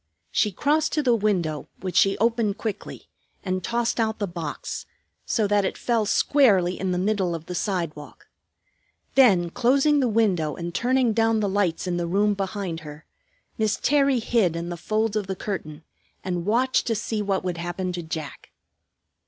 She crossed to the window, which she opened quickly, and tossed out the box, so that it fell squarely in the middle of the sidewalk. Then closing the window and turning down the lights in the room behind her, Miss Terry hid in the folds of the curtain and watched to see what would happen to Jack.